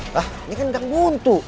lah ini kan jangbuntu